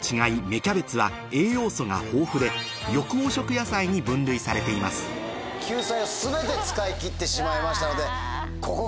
キャベツは栄養素が豊富でに分類されています救済を全て使い切ってしまいましたので。